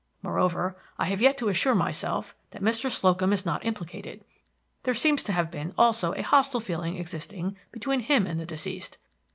Moreover, I have yet to assure myself that Mr. Slocum is not implicated. There seems to have been also a hostile feeling existing between him and the deceased.